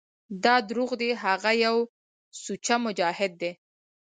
دا دروغ دي هغه يو سوچه مجاهد دى.